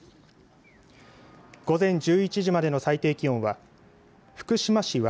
午前１１時までの最低気温は福島市鷲